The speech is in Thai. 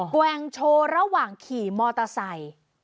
แกว่งโชว์ระหว่างขี่มอเตอร์ไซค์